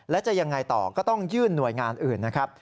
และจะยังไงต่อก็ต้องยื่นหน่วยงานอื่นนะครับ